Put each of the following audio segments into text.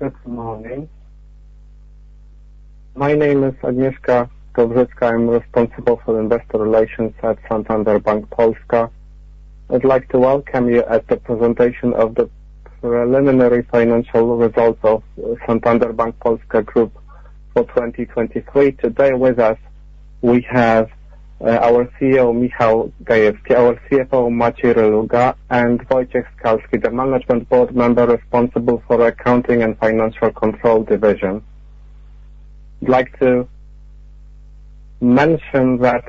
Good morning. My name is Agnieszka Dowżycka. I'm responsible for investor relations at Santander Bank Polska. I'd like to welcome you at the presentation of the preliminary financial results of Santander Bank Polska Group for 2023. Today with us, we have our CEO, Michał Gajewski, our CFO, Maciej Reluga, and Wojciech Skalski, the management board member responsible for the accounting and financial control division. I'd like to mention that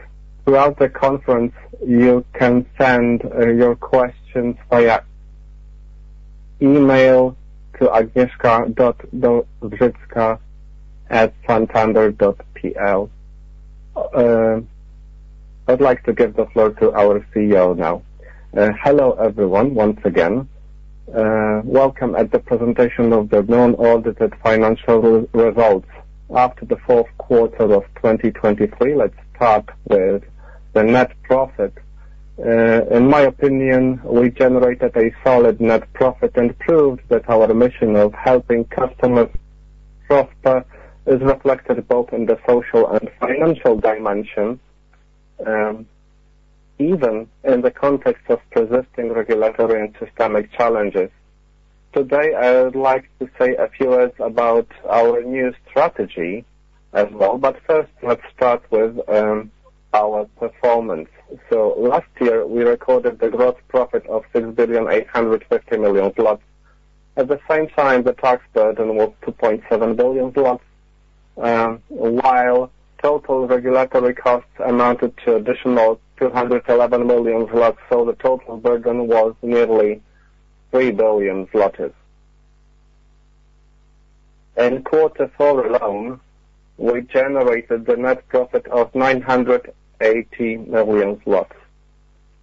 throughout the conference, you can send your questions via email to agnieszka.dowzycka@santander.pl. I'd like to give the floor to our CEO now. Hello, everyone, once again. Welcome at the presentation of the non-audited financial results after the fourth quarter of 2023. Let's start with the net profit. In my opinion, we generated a solid net profit and proved that our mission of helping customers prosper is reflected both in the social and financial dimension, even in the context of persisting regulatory and systemic challenges. Today, I would like to say a few words about our new strategy as well. But first, let's start with our performance. So last year, we recorded the gross profit of 6.85 billion. At the same time, the tax burden was 2.7 billion, while total regulatory costs amounted to additional 211 million zlotys. So the total burden was nearly 3 billion zlotys. In quarter four alone, we generated the net profit of 980 million zlotys.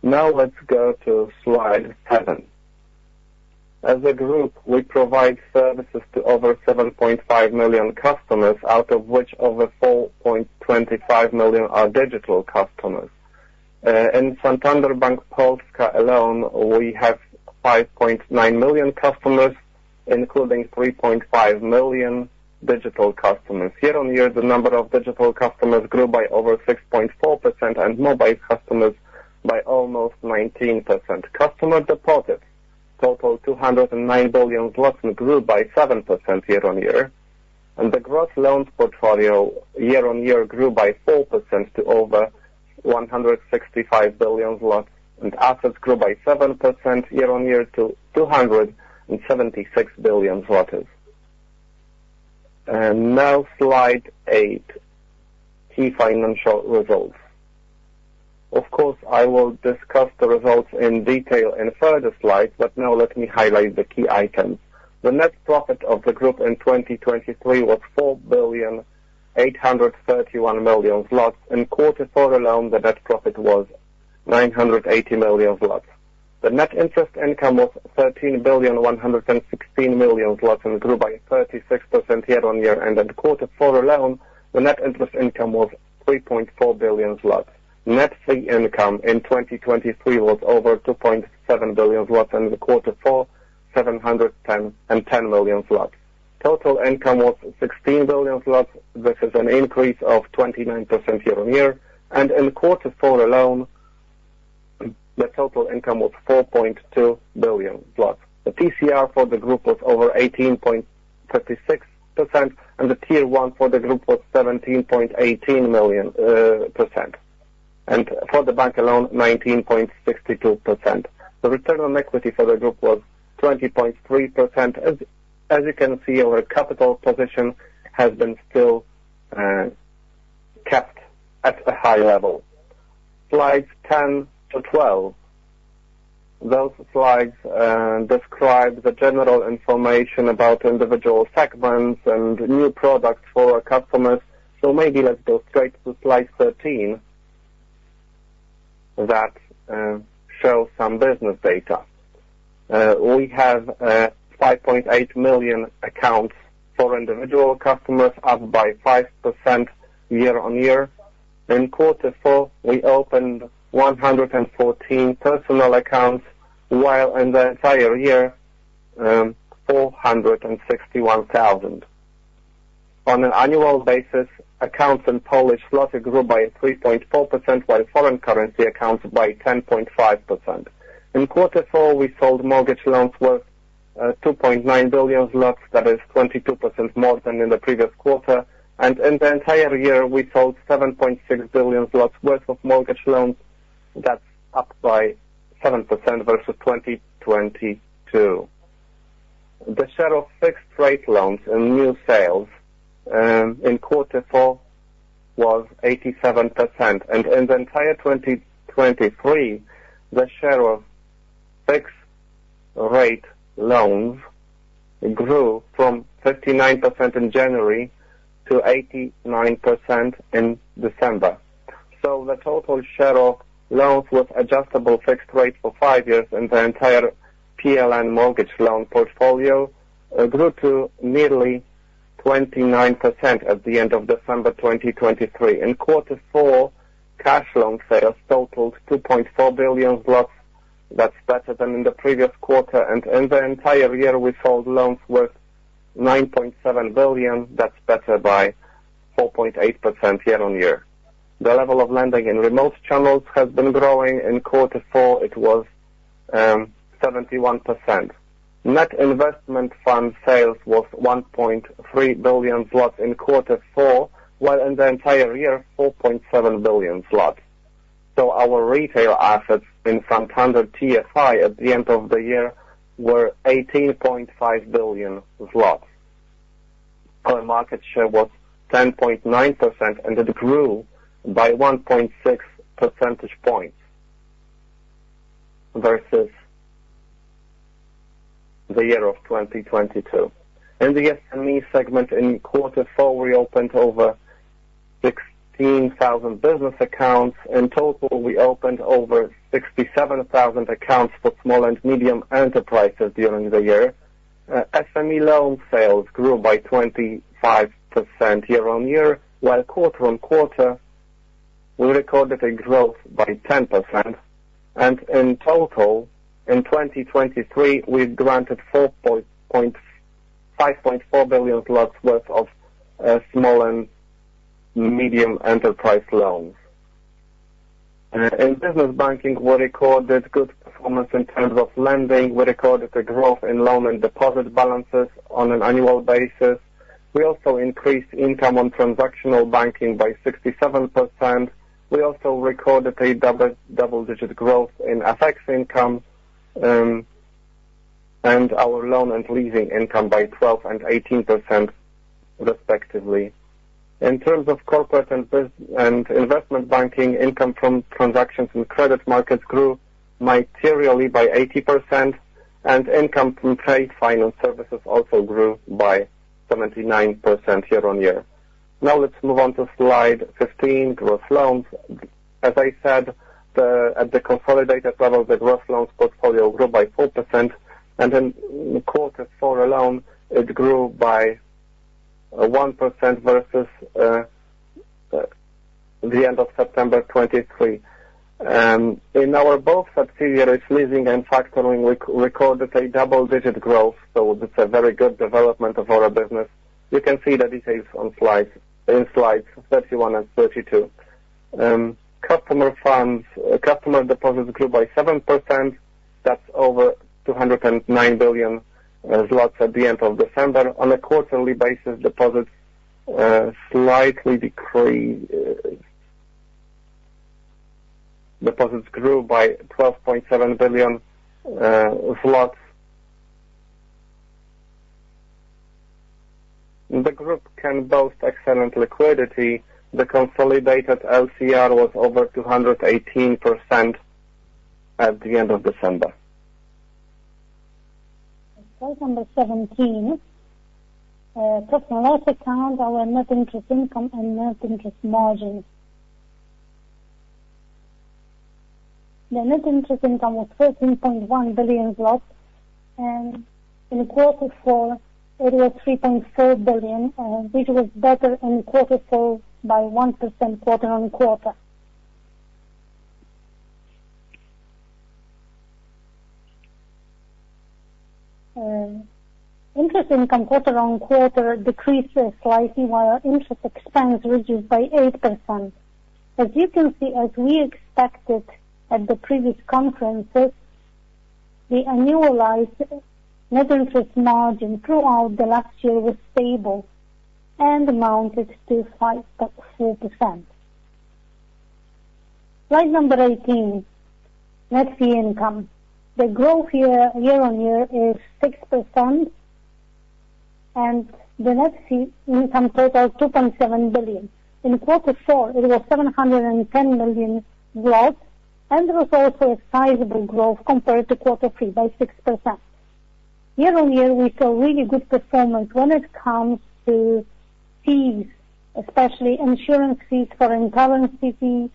Now let's go to slide seven. As a group, we provide services to over 7.5 million customers, out of which over 4.25 million are digital customers. In Santander Bank Polska alone, we have 5.9 million customers, including 3.5 million digital customers. Year-on-year, the number of digital customers grew by over 6.4%, and mobile customers by almost 19%. Customer deposits total 209 billion, and grew by 7% year-on-year. The gross loans portfolio year-on-year grew by 4% to over 165 billion, and assets grew by 7% year-on-year to 276 billion. Now slide 8, key financial results. Of course, I will discuss the results in detail in further slides, but now let me highlight the key items. The net profit of the group in 2023 was 4.831 billion zlotys, and quarter four alone, the net profit was 980 million zlotys. The Net Interest Income was 13.116 billion zlotys and grew by 36% year-on-year, and in quarter four alone, the Net Interest Income was 3.4 billion zlotys. Net fee income in 2023 was over 2.7 billion zlotys, and in the quarter four, 710 million zlotys. Total income was 16 billion zlotys. This is an increase of 29% year-on-year, and in quarter four alone, the total income was 4.2 billion. The TCR for the group was over 18.36%, and the Tier 1 for the group was seventeen point eighteen percent, and for the bank alone, 19.62%. The return on equity for the group was 20.3%. As you can see, our capital position has been still kept at a high level. Slides 10 to 12. Those slides describe the general information about individual segments and new products for our customers. So maybe let's go straight to slide 13, that shows some business data. We have 5.8 million accounts for individual customers, up by 5% year-on-year. In quarter four, we opened 114 personal accounts, while in the entire year, 461,000. On an annual basis, accounts in Polish zloty grew by 3.4%, while foreign currency accounts by 10.5%. In quarter four, we sold mortgage loans worth 2.9 billion. That is 22% more than in the previous quarter, and in the entire year, we sold 7.6 billion worth of mortgage loans. That's up by 7% versus 2022. The share of fixed rate loans and new sales in quarter four was 87%, and in the entire 2023, the share of fixed rate loans grew from 39% in January to 89% in December. So the total share of loans with adjustable fixed rates for five years in the entire PLN mortgage loan portfolio grew to nearly 29% at the end of December 2023. In quarter four, cash loan sales totaled 2.4 billion. That's better than in the previous quarter, and in the entire year, we sold loans worth 9.7 billion. That's better by 4.8% year-on-year. The level of lending in remote channels has been growing. In quarter four, it was 71%. Net investment fund sales was 1.3 billion zlotys in quarter four, while in the entire year, 4.7 billion zlotys. So our retail assets in Santander TFI at the end of the year were 18.5 billion zlotys. Our market share was 10.9%, and it grew by 1.6 percentage points versus the year of 2022. In the SME segment, in quarter four, we opened over 16,000 business accounts. In total, we opened over 67,000 accounts for Small and Medium Enterprises during the year. SME loan sales grew by 25% year-on-year, while quarter-on-quarter, we recorded a growth by 10%, and in total, in 2023, we've granted 5.4 billion worth of Small and Medium Enterprise loans. In business banking, we recorded good performance in terms of lending. We recorded a growth in loan and deposit balances on an annual basis. We also increased income on transactional banking by 67%. We also recorded a double-digit growth in FX income and our loan and leasing income by 12% and 18%, respectively. In terms of corporate and business and investment banking, income from transactions and credit markets grew materially by 80%, and income from trade finance services also grew by 79% year-on-year. Now let's move on to slide 15, gross loans. As I said, at the consolidated level, the gross loans portfolio grew by 4%, and in quarter four alone, it grew by 1% versus the end of September 2023. In our both subsidiaries, leasing and factoring, we recorded a double-digit growth, so it's a very good development of our business. You can see the details on slide, in slides 31 and 32. Customer funds, customer deposits grew by 7%. That's over 209 billion zlotys at the end of December. On a quarterly basis, deposits slightly decreased. Deposits grew by PLN 12.7 billion. The group can boast excellent liquidity. The consolidated LCR was over 218% at the end of December. Slide number 17. Profit and loss account, our Net Interest Income and Net Interest Margins. The Net Interest Income was 13.1 billion, and in quarter four, it was 3.4 billion, which was better in quarter four by 1% quarter-on-quarter. Interest income, quarter-on-quarter, decreased slightly, while our interest expense reduced by 8%. As you can see, as we expected at the previous conferences, the annualized Net Interest Margin throughout the last year was stable and amounted to 5.4%. Slide number 18, net fee income. The growth year-on-year is 6%, and the net fee income total 2.7 billion. In quarter four, it was 710 million, and it was also a sizable growth compared to quarter three by 6%. Year-on-year, we saw really good performance when it comes to fees, especially insurance fees, foreign currency fees,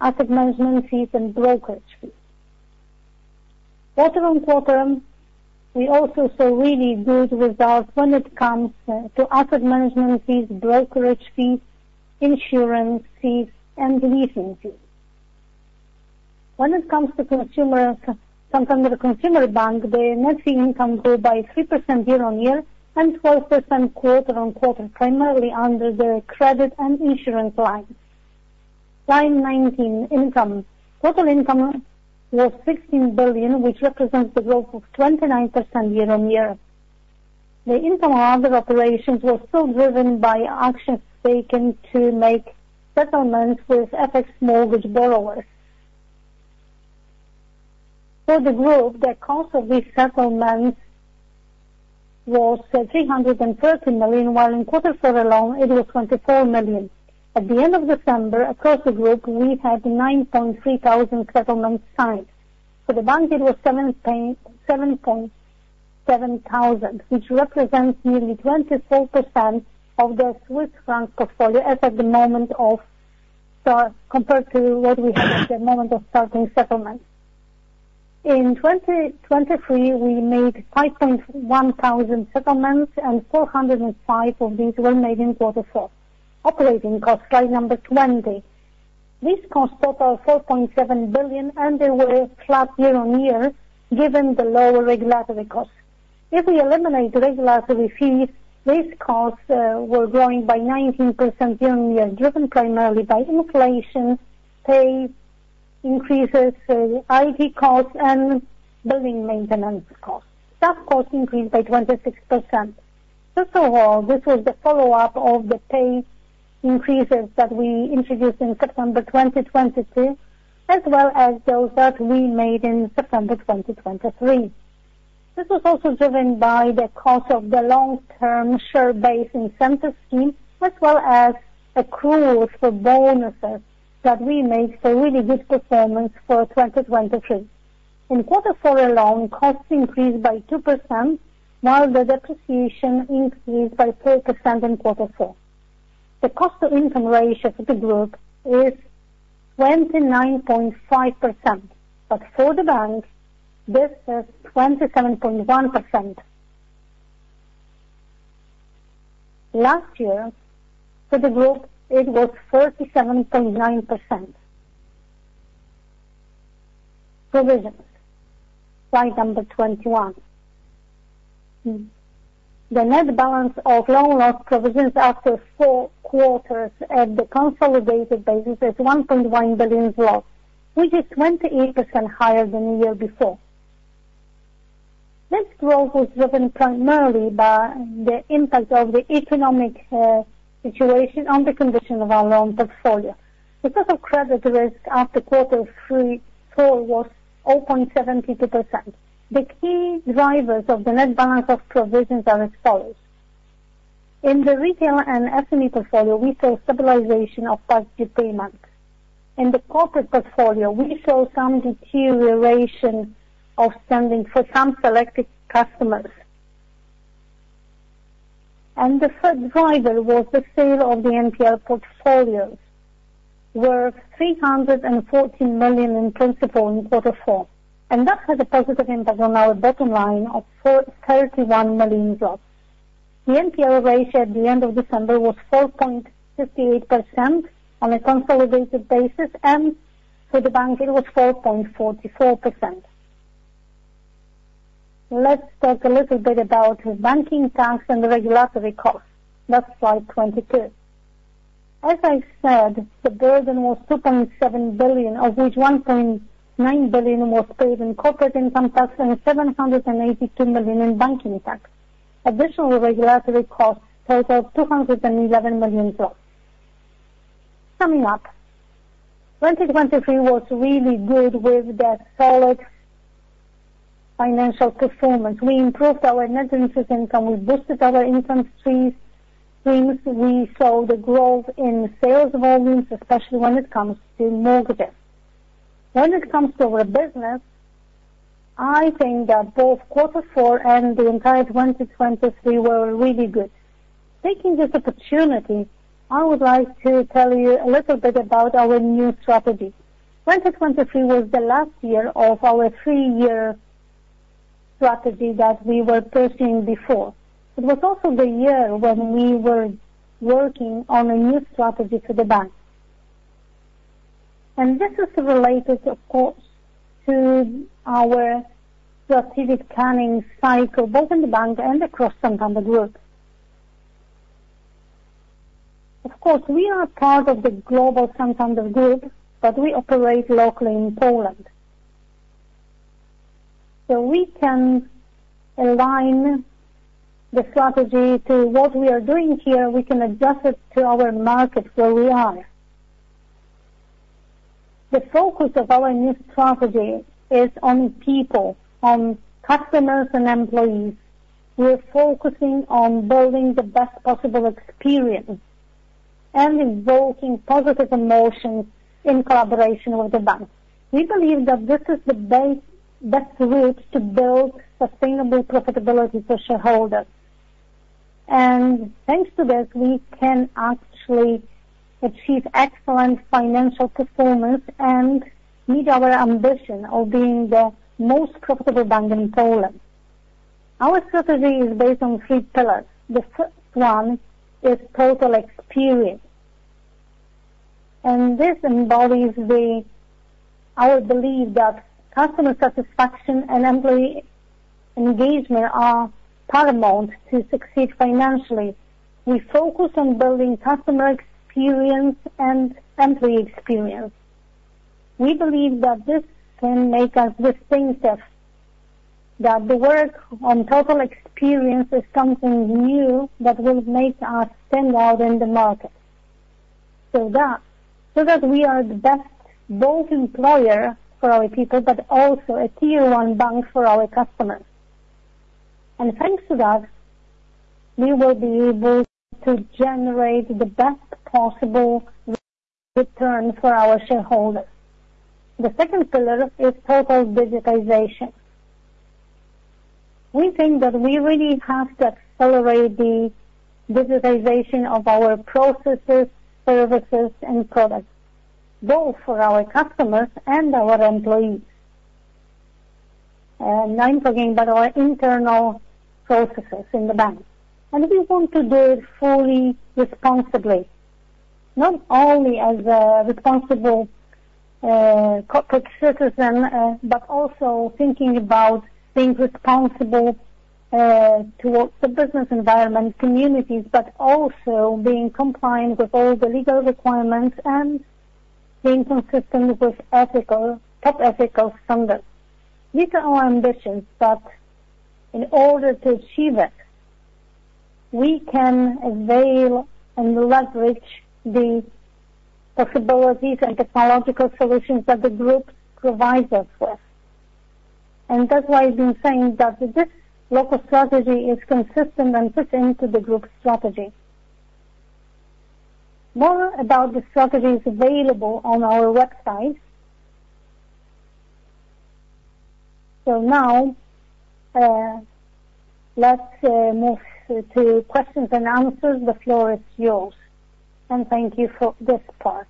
asset management fees, and brokerage fees. Quarter-on-quarter, we also saw really good results when it comes to asset management fees, brokerage fees, insurance fees, and leasing fees. When it comes to consumer, Santander Consumer Bank, the net fee income grew by 3% year-on-year and 4% quarter-on-quarter, primarily under the credit and insurance lines. Slide 19, income. Total income was 16 billion, which represents the growth of 29% year-on-year. The income and other operations were still driven by actions taken to make settlements with FX mortgage borrowers. For the group, the cost of these settlements was 330 million, while in quarter four alone it was 24 million. At the end of December, across the group, we've had 9.3 thousand settlements signed. For the bank, it was 7.7 thousand, which represents nearly 24% of the Swiss franc portfolio as at the moment of. So compared to what we had at the moment of starting settlements. In 2023, we made 5.1 thousand settlements and 405 of these were made in quarter four. Operating costs, slide number 20. These costs total 4.7 billion, and they were flat year-on-year, given the lower regulatory costs. If we eliminate regulatory fees, these costs were growing by 19% year-on-year, driven primarily by inflation, pay increases, so IT costs and building maintenance costs. Staff costs increased by 26%. First of all, this was the follow-up of the pay increases that we introduced in September 2022, as well as those that we made in September 2023. This was also driven by the cost of the long-term share-based incentive scheme, as well as accruals for bonuses that we made for really good performance for 2023. In quarter four alone, costs increased by 2%, while the depreciation increased by 4% in quarter four. The cost-to-income ratio for the group is 29.5%, but for the bank, this is 27.1%. Last year, for the group, it was 37.9%. Provisions, slide number 21. The net balance of loan loss provisions after four quarters at the consolidated basis is 1.1 billion zloty, which is 28% higher than the year before. This growth was driven primarily by the impact of the economic situation on the condition of our loan portfolio. The total credit risk after quarter three, four was 0.72%. The key drivers of the net balance of provisions are as follows: In the retail and SME portfolio, we saw stabilization of past due payments. In the corporate portfolio, we saw some deterioration of standing for some selected customers. And the third driver was the sale of the NPL portfolios, worth 314 million in principal in quarter four, and that had a positive impact on our bottom line of 41 million. The NPL ratio at the end of December was 4.58% on a consolidated basis, and for the bank, it was 4.44%. Let's talk a little bit about banking tax and regulatory costs. That's slide 22. As I said, the burden was 2.7 billion, of which 1.9 billion was paid in corporate income tax and 782 million in banking tax. Additional regulatory costs totaled 211 million. Summing up, 2023 was really good with that solid financial performance. We improved our Net Interest Income, we boosted our income fees. We saw the growth in sales volumes, especially when it comes to mortgages. When it comes to our business, I think that both quarter four and the entire 2023 were really good. Taking this opportunity, I would like to tell you a little bit about our new strategy. 2023 was the last year of our three-year strategy that we were pursuing before. It was also the year when we were working on a new strategy for the bank. This is related, of course, to our strategic planning cycle, both in the bank and across Santander Group. Of course, we are part of the global Santander Group, but we operate locally in Poland. So we can align the strategy to what we are doing here. We can adjust it to our market where we are. The focus of our new strategy is on people, on customers and employees. We're focusing on building the best possible experience and evoking positive emotions in collaboration with the bank. We believe that this is the base, best route to build sustainable profitability for shareholders. And thanks to this, we can actually achieve excellent financial performance and meet our ambition of being the most profitable bank in Poland. Our strategy is based on three pillars. The first one is Total Experience, and this embodies our belief that customer satisfaction and employee engagement are paramount to succeed financially. We focus on building customer experience and employee experience. We believe that this can make us distinctive, that the work on Total Experience is something new that will make us stand out in the market, so that, so that we are the best, both employer for our people, but also a tier one bank for our customers. And thanks to that, we will be able to generate the best possible return for our shareholders. The second pillar is Total Digitization. We think that we really have to accelerate the digitization of our processes, services, and products, both for our customers and our employees. And I'm talking about our internal processes in the bank. And we want to do it fully responsibly, not only as a responsible, corporate citizen, but also thinking about being responsible, towards the business environment, communities, but also being compliant with all the legal requirements and being consistent with ethical, top ethical standards. These are our ambitions, but in order to achieve it, we can avail and leverage the possibilities and technological solutions that the group provides us with. And that's why I've been saying that this local strategy is consistent and fit into the group's strategy. More about the strategy is available on our website. So now, let's move to questions and answers. The floor is yours, and thank you for this part.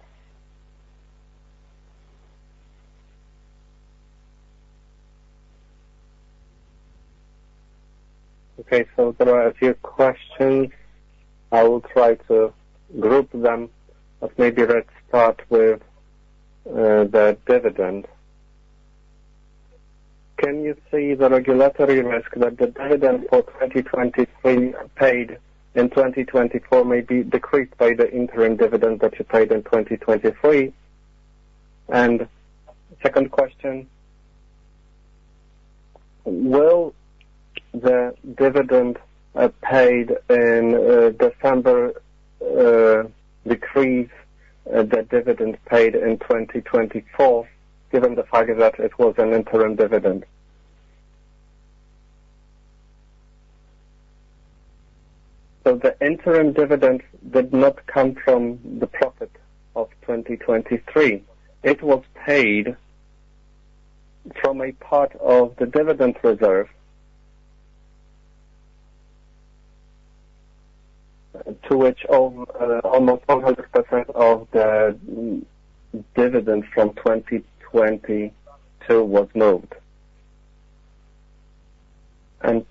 Okay, so there are a few questions. I will try to group them, but maybe let's start with the dividend. Can you see the regulatory risk that the dividend for 2023 paid in 2024 may be decreased by the interim dividend that you paid in 2023? And second question, will the dividend paid in December decrease the dividend paid in 2024, given the fact that it was an interim dividend? So the interim dividend did not come from the profit of 2023. It was paid from a part of the dividend reserve, to which all almost 100% of the dividend from 2022 was moved. And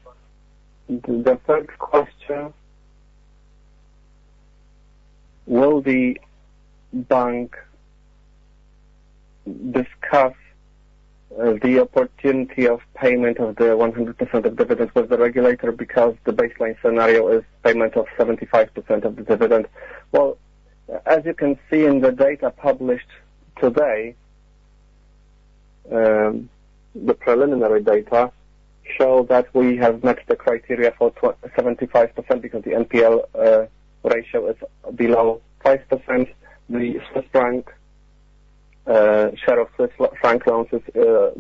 the third question, will the bank discuss the opportunity of payment of the 100% of dividends with the regulator because the baseline scenario is payment of 75% of the dividend? Well, as you can see in the data published today, the preliminary data show that we have met the criteria for 75% because the NPL ratio is below 5%. The Swiss franc share of Swiss franc loans is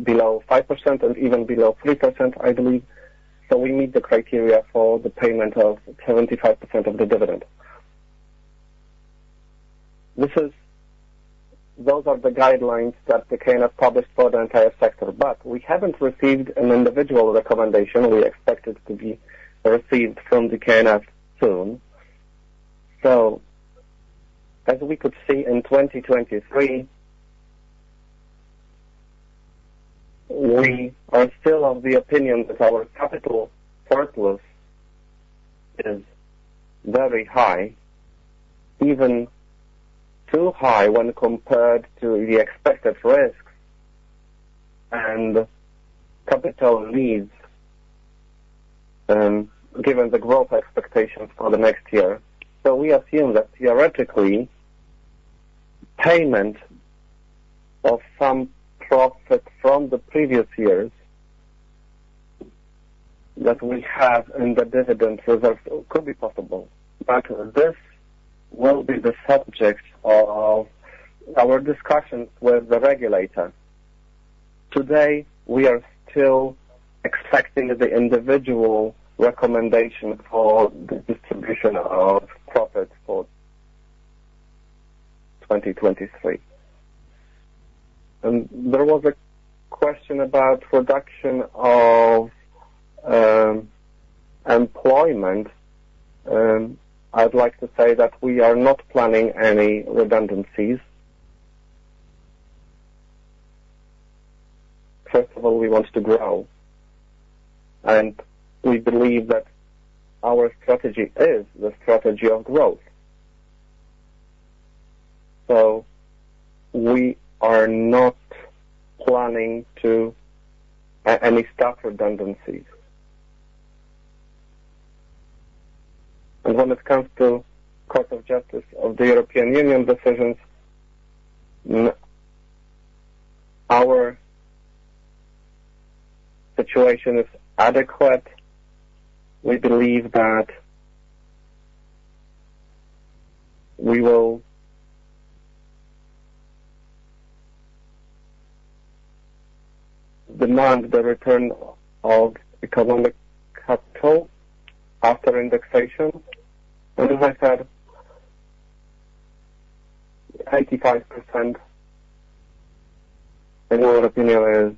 below 5% and even below 3%, I believe. So we meet the criteria for the payment of 75% of the dividend. This is, those are the guidelines that the KNF published for the entire sector, but we haven't received an individual recommendation. We expect it to be received from the KNF soon. So as we could see in 2023, we are still of the opinion that our capital surplus is very high, even too high, when compared to the expected risks and capital needs, given the growth expectations for the next year. So we assume that theoretically, payment of some profit from the previous years, that we have in the dividend reserve could be possible, but this will be the subject of our discussions with the regulator. Today, we are still expecting the individual recommendation for the distribution of profits for 2023. And there was a question about reduction of employment. I'd like to say that we are not planning any redundancies. First of all, we want to grow, and we believe that our strategy is the strategy of growth. So we are not planning to any staff redundancies. When it comes to Court of Justice of the European Union decisions, our situation is adequate. We believe that we will demand the return of economic capital after indexation, and as I said, 85%. In our opinion, is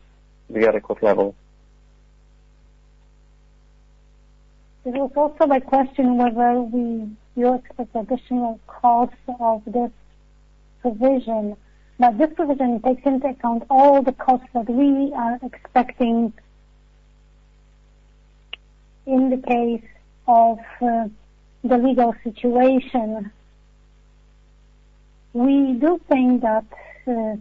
the adequate level. There was also the question whether we will expect additional cost of this provision. Now, this provision takes into account all the costs that we are expecting in the case of, the legal situation. We do think that, the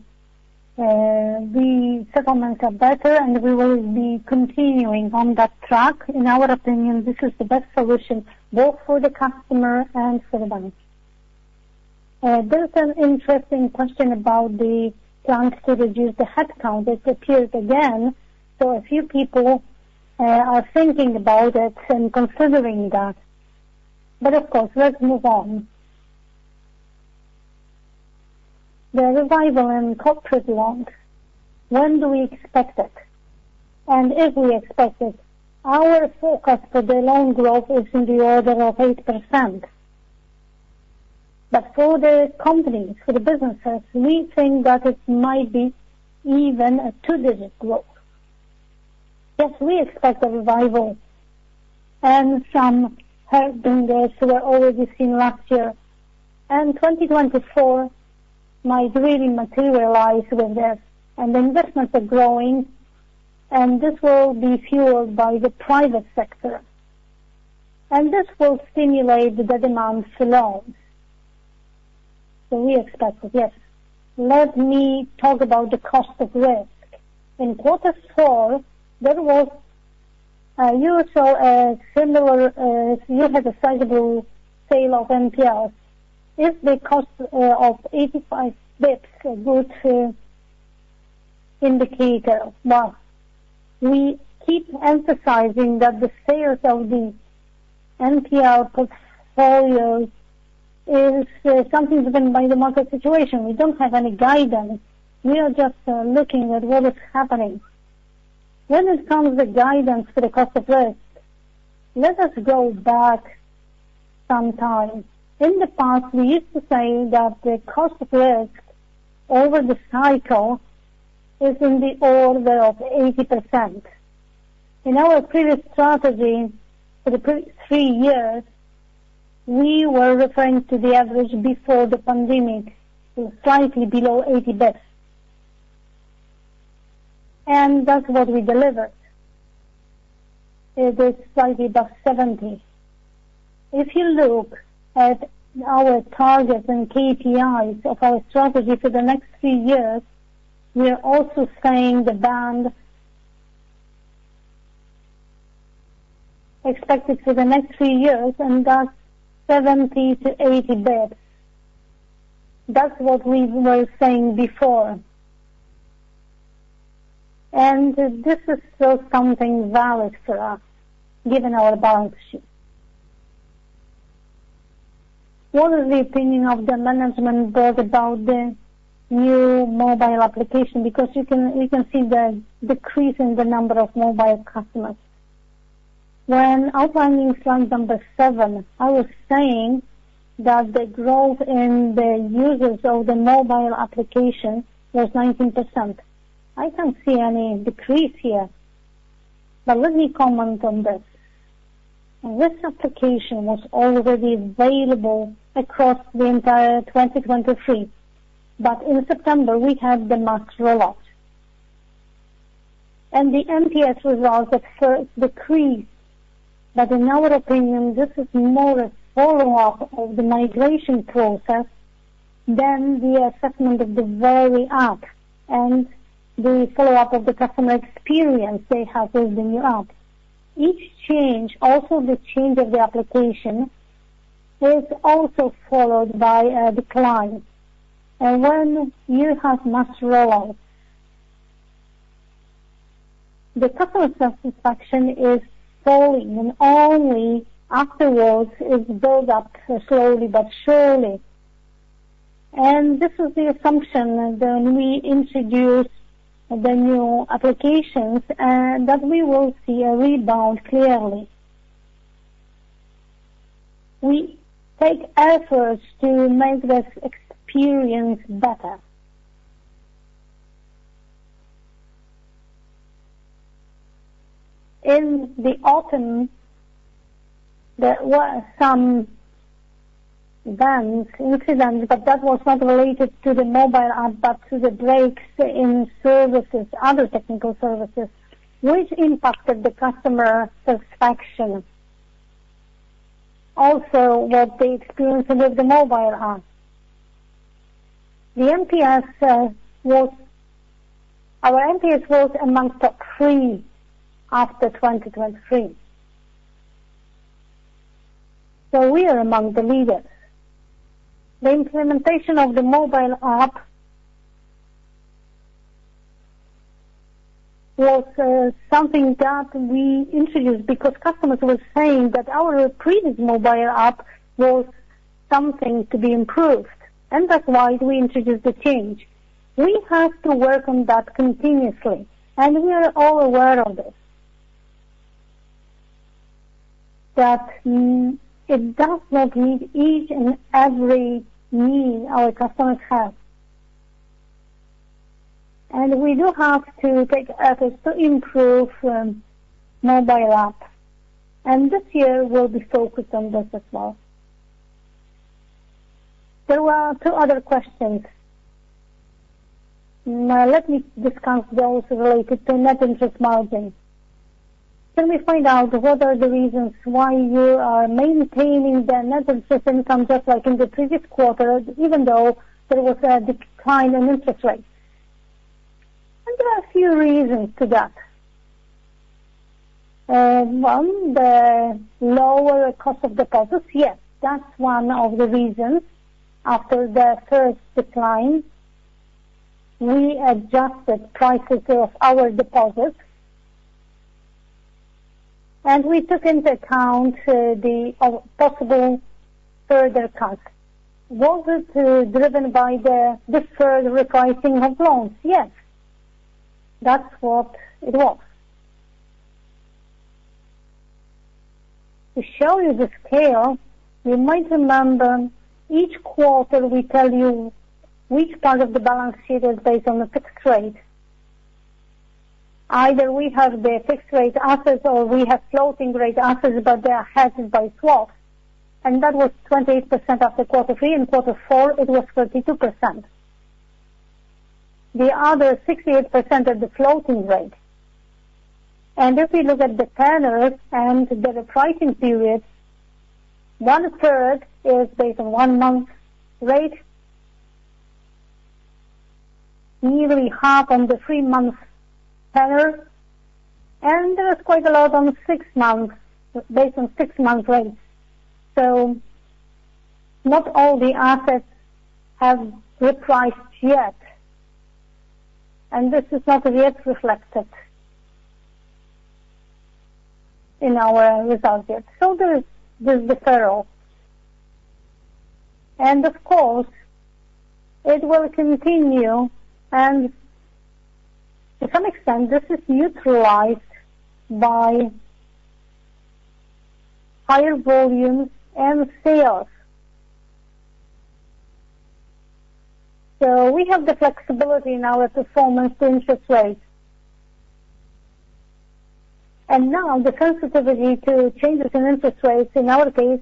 settlements are better, and we will be continuing on that track. In our opinion, this is the best solution, both for the customer and for the bank. There's an interesting question about the plans to reduce the headcount. It appears again, so a few people, are thinking about it and considering that. But of course, let's move on. The revival in corporate loans. When do we expect it? And if we expect it, our forecast for the loan growth is in the order of 8%. But for the companies, for the businesses, we think that it might be even a two-digit growth. Yes, we expect a revival and some help in this we're already seen last year. And 2024 might really materialize with this, and investments are growing, and this will be fueled by the private sector, and this will stimulate the demand for loans. So we expect it, yes. Let me talk about the cost of risk. In quarter four, there was a usual, similar, you had a sizable sale of NPL. Is the cost of 85 basis points a good indicator? Now, we keep emphasizing that the sales of the NPL portfolios is something driven by the market situation. We don't have any guidance. We are just looking at what is happening. When it comes to the guidance for the cost of risk, let us go back some time. In the past, we used to say that the cost of risk over the cycle is in the order of 80%. In our previous strategy, for the previous three years, we were referring to the average before the pandemic, so slightly below 80 basis points. And that's what we delivered. It is slightly above 70 basis points. If you look at our targets and KPIs of our strategy for the next three years, we are also saying the band expected for the next three years, and that's 70-80 basis points. That's what we were saying before. And this is still something valid for us, given our balance sheet. What is the opinion of the Management Board about the new mobile application? Because you can, you can see the decrease in the number of mobile customers. When outlining slide number seven, I was saying that the growth in the users of the mobile application was 19%. I can't see any decrease here, but let me comment on this. This application was already available across the entire 2023, but in September, we had the mass rollout. The NPS results at first decreased, but in our opinion, this is more a follow-up of the migration process than the assessment of the very app and the follow-up of the customer experience they have with the new app. Each change, also the change of the application, was also followed by a decline. When you have mass rollout, the customer satisfaction is falling, and only afterwards, it build up slowly but surely. This is the assumption when we introduce the new applications, that we will see a rebound clearly. We take efforts to make this experience better. In the autumn, there were some bank incidents, but that was not related to the mobile app, but to the breaks in services, other technical services, which impacted the customer satisfaction. Also, what they experienced with the mobile app. Our NPS was among top three after 2023. So we are among the leaders. The implementation of the mobile app was something that we introduced because customers were saying that our previous mobile app was something to be improved, and that's why we introduced the change. We have to work on that continuously, and we are all aware of this, but it does not meet each and every need our customers have. And we do have to take efforts to improve mobile app, and this year we'll be focused on this as well. There were two other questions. Now, let me discuss those related to Net Interest Margin. Can we find out what are the reasons why you are maintaining the Net Interest Income, just like in the previous quarter, even though there was a decline in interest rates? And there are a few reasons to that. One, the lower cost of deposits. Yes, that's one of the reasons. After the first decline, we adjusted prices of our deposits, and we took into account the possible further cut. Was it driven by the deferred repricing of loans? Yes, that's what it was. To show you the scale, you might remember each quarter we tell you which part of the balance sheet is based on a fixed rate. Either we have the fixed rate assets, or we have floating rate assets, but they are hedged by swaps, and that was 28% after quarter three, and quarter four, it was 32%. The other 68% is the floating rate. If we look at the patterns and the repricing periods, 1/3 is based on one-month rate, nearly half on the three-month pattern, and there is quite a lot on six months, based on six-month rates. So not all the assets have repriced yet, and this is not yet reflected in our results yet. So there is this deferral. Of course, it will continue, and to some extent, this is neutralized by higher volumes and sales. So we have the flexibility in our performance to interest rates. Now the sensitivity to changes in interest rates, in our case,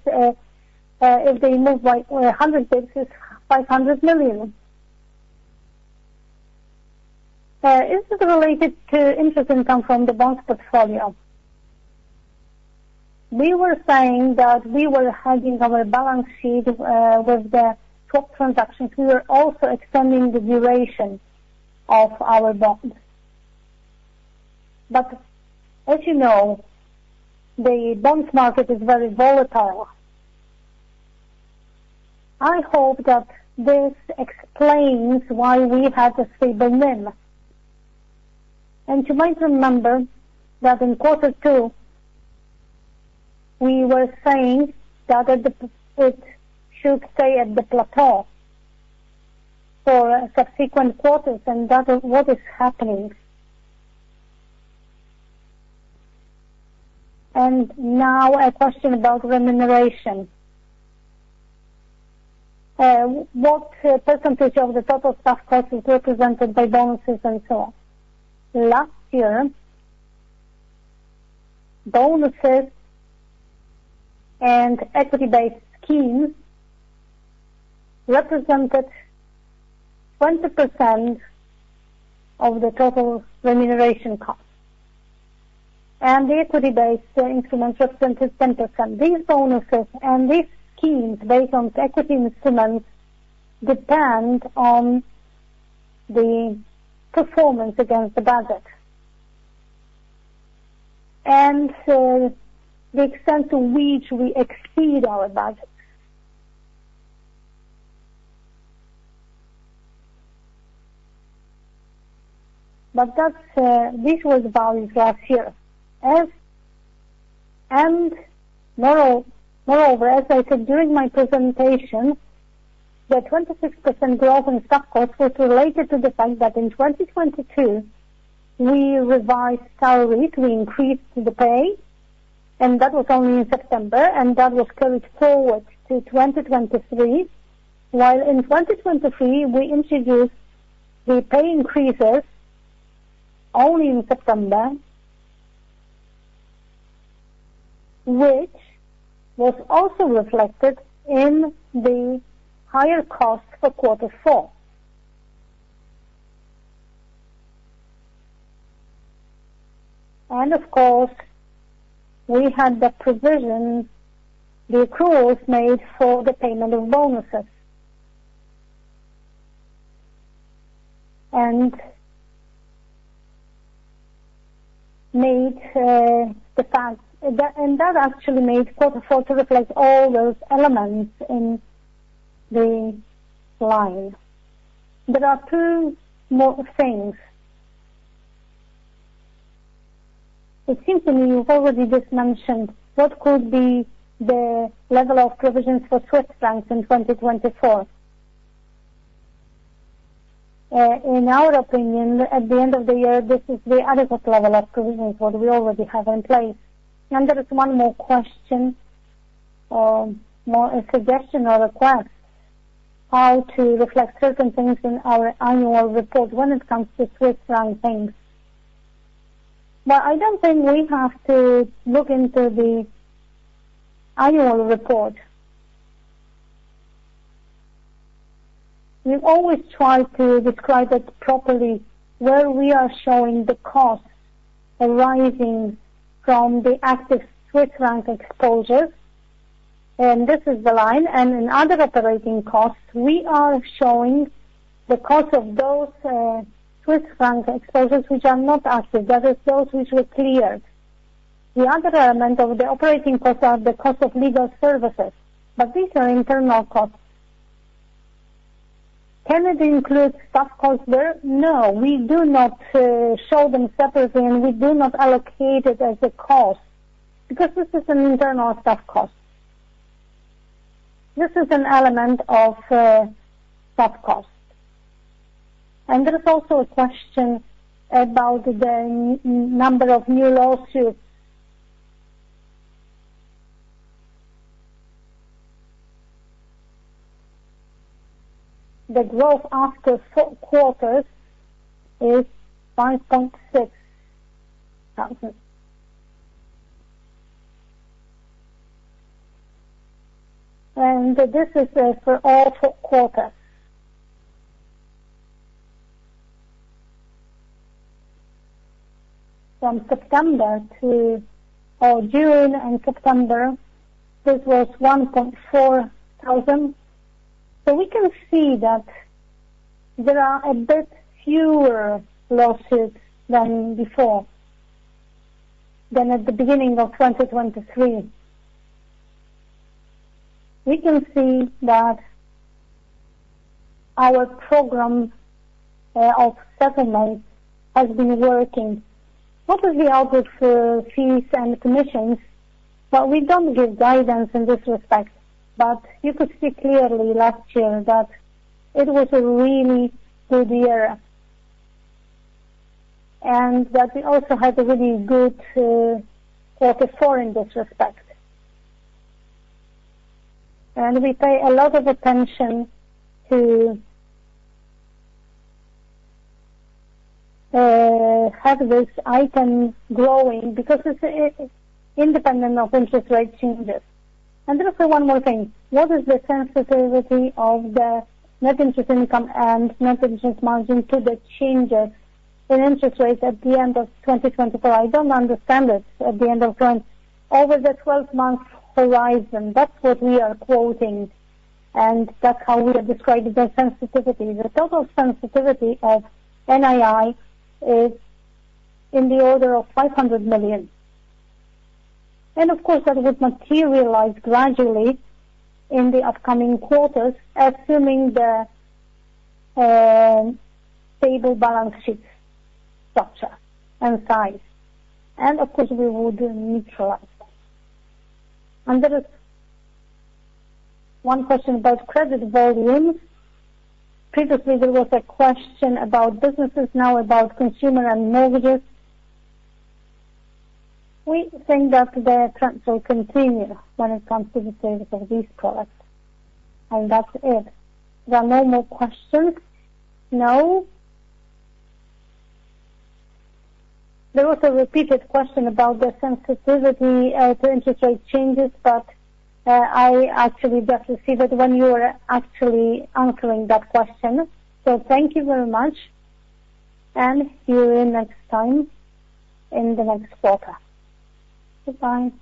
if they move by 100 basis points, PLN 500 million. Is it related to interest income from the bonds portfolio? We were saying that we were hedging our balance sheet with the swap transactions. We were also extending the duration of our bonds. But as you know, the bonds market is very volatile. I hope that this explains why we have a stable NIM. You might remember that in quarter two, we were saying that it should stay at the plateau for subsequent quarters, and that is what is happening. Now a question about remuneration. What percentage of the total staff cost is represented by bonuses and so on? Last year, bonuses and equity-based schemes represented 20% of the total remuneration cost, and the equity-based instruments were 20%. These bonuses and these schemes based on equity instruments depend on the performance against the budget, and the extent to which we exceed our budgets. But that's this was last year. Moreover, as I said during my presentation, the 26% growth in stock costs was related to the fact that in 2022, we revised salaries, we increased the pay, and that was only in September, and that was carried forward to 2023. While in 2023, we introduced the pay increases only in September, which was also reflected in the higher costs for quarter four. And of course, we had the provision, the accruals made for the payment of bonuses. And that actually made quarter four to reflect all those elements in the line. There are two more things. It seems to me you've already just mentioned what could be the level of provisions for Swiss francs in 2024? In our opinion, at the end of the year, this is the adequate level of provisions, what we already have in place. And there is one more question, or more a suggestion or request, how to reflect certain things in our annual report when it comes to Swiss franc things. But I don't think we have to look into the annual report. We always try to describe it properly where we are showing the costs arising from the active Swiss franc exposures, and this is the line. In other operating costs, we are showing the cost of those Swiss franc exposures which are not active. That is those which were cleared. The other element of the operating costs are the cost of legal services, but these are internal costs. Can it include staff costs there? No, we do not show them separately, and we do not allocate it as a cost because this is an internal staff cost. This is an element of staff costs. And there is also a question about the number of new lawsuits. The growth after four quarters is 5,600. And this is for all four quarters. From September to or June and September, this was 1,400. So we can see that there are a bit fewer lawsuits than before, than at the beginning of 2023. We can see that our program of settlement has been working. What is the output for fees and commissions? Well, we don't give guidance in this respect, but you could see clearly last year that it was a really good year, and that we also had a really good quarter four in this respect. And we pay a lot of attention to have this item growing because it's independent of interest rate changes. And there is one more thing: What is the sensitivity of the Net Interest Income and Net Interest Margin to the changes in interest rates at the end of 2024? I don't understand it, at the end of. Over the 12 month horizon, that's what we are quoting, and that's how we are describing the sensitivity. The total sensitivity of NII is in the order of 500 million, and of course, that would materialize gradually in the upcoming quarters, assuming the stable balance sheet structure and size. And of course, we would neutralize that. And there is one question about credit volumes. Previously, there was a question about businesses, now about consumer and mortgages. We think that the trend will continue when it comes to the sales of these products, and that's it. There are no more questions? No. There was a repeated question about the sensitivity to interest rate changes, but I actually just received it when you were actually answering that question. So, thank you very much and see you next time in the next quarter. Goodbye.